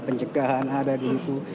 pencegahan ada di situ